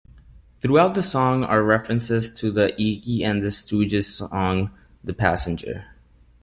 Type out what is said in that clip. Throughout the song are references to the Iggy and the Stooges song, "The Passenger".